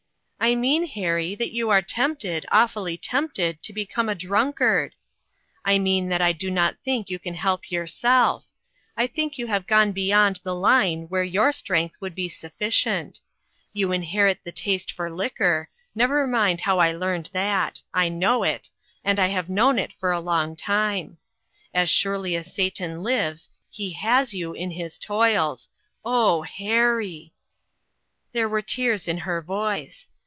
" I mean, Harry, that you are tempted, awfully tempted, to become a drunkard ! I mean that I do not think you can help yourself; I think you have gone beyond the line where your strength would be sufficient. You inherit the taste for liquor. Never mind how I learned that ; I know it, and 324 INTERRUPTED. have known it for a long time. As surely as Satan lives, he has you in his toils. Oh, Harry !" There were tears in her voice.